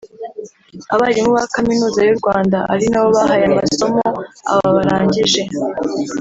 abarimu ba Kaminuza y’u Rwanda ari nabo bahaye amasomo aba barangije